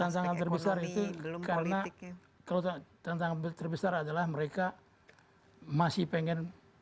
tantangan terbesar itu karena kalau tantangan terbesar adalah mereka masih pengen